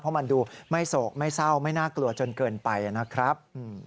เพราะมันดูไม่โศกไม่เศร้าไม่น่ากลัวจนเกินไปนะครับ